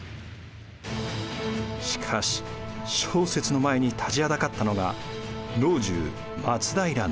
しかし正雪の前に立ちはだかったのが老中松平信綱。